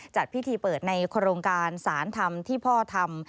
จัดพิธีเปิดในโครงการสารธรรมที่พ่อทำ